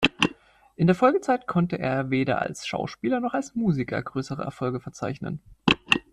In der Folgezeit konnte er weder als Schauspieler noch als Musiker größere Erfolge verzeichnen.